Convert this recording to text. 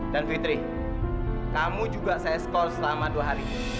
dan fitri kamu juga saya diskorsi selama dua hari